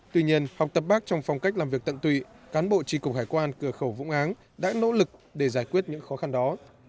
tuy nhiên học tập bác trong phong cách làm việc tận tụy cán bộ tri cục hải quan cửa khẩu vũng áng đã nỗ lực để giải quyết những khó khăn đó